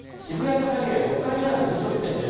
ヒカリエ６階にある飲食店です。